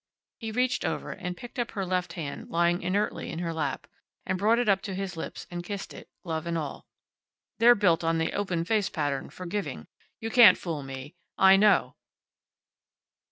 He reached over, and picked up her left hand lying inertly in her lap, and brought it up to his lips, and kissed it, glove and all. "They're built on the open face pattern for giving. You can't fool me. I know."